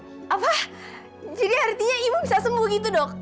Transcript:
apa jadi artinya ibu bisa sembuh itu dok